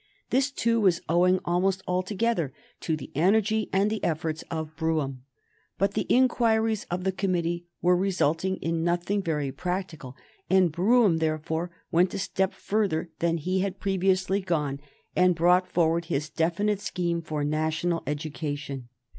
This, too, was owing almost altogether to the energy and the efforts of Brougham, but the inquiries of the committee were resulting in nothing very practical, and Brougham therefore went a step further than he had previously gone and brought forward his definite scheme for national education.